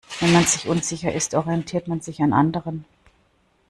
Wenn man sich unsicher ist, orientiert man sich an anderen.